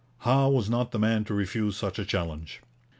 Howe was not the man to refuse such a challenge.